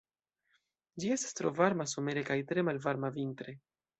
Ĝi estas tro varma somere kaj tre malvarma vintre.